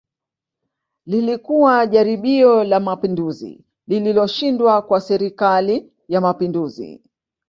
Lilikuwa jaribio la Mapinduzi lililoshindwa kwa Serikali ya Mapinduzi